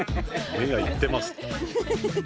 「目がイッてます。」。